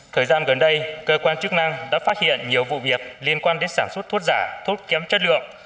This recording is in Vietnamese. thời gian gần đây cơ quan chức năng đã phát hiện nhiều vụ việc liên quan đến sản xuất thuốc giả thuốc kém chất lượng